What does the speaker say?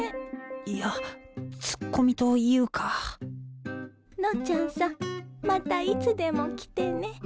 いやツッコミというか。のちゃんさんまたいつでも来てね。